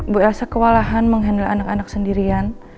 bu elsa kewalahan menghandle anak anak sendirian